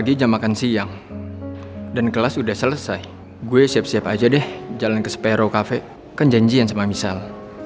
lagi jam makan siang dan kelas udah selesai gue siap siap aja deh jalan ke spero cafe kan janjian sama misal